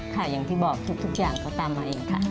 อย่างที่บอกทุกอย่างเขาตามมาเองค่ะ